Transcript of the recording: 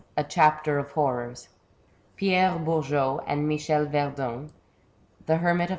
A CHAPTER OF HORRORS. Pierre Bonrgot and Michel Verdung — The Hermit of S.